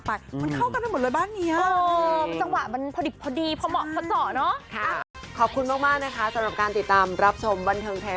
เพราะว่าตอนนี้ทั้งคู่กำลังสร้างบ้านเหมือนกัน